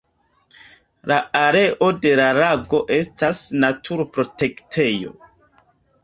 La areo de la lago estas naturprotektejo.